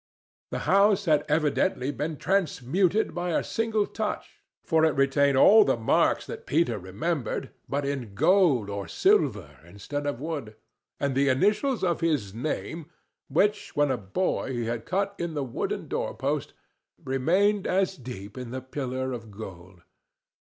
The house had evidently been transmuted by a single touch, for it retained all the marks that Peter remembered, but in gold or silver instead of wood, and the initials of his name—which when a boy he had cut in the wooden door post—remained as deep in the pillar of gold.